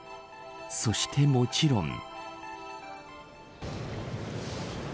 そして、もちろん。